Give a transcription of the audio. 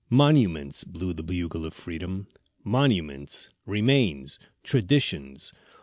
"Monuments!" blew the Bugle of Freedom, "monuments! remains, traditions!